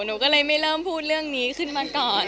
หนูก็เลยไม่เริ่มพูดเรื่องนี้ขึ้นมาก่อน